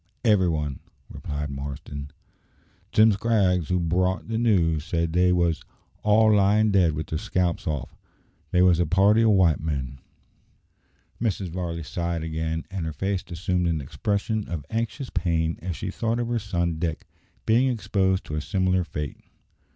"Every one," replied Marston. "Jim Scraggs, who brought the news, said they wos all lying dead with their scalps off. They wos a party o' white men." Mrs. Varley sighed again, and her face assumed an expression of anxious pain as she thought of her son Dick being exposed to a similar fate.